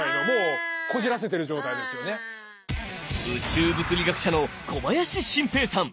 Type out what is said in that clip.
宇宙物理学者の小林晋平さん。